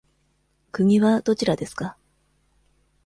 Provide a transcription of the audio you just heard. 国はどちらですか。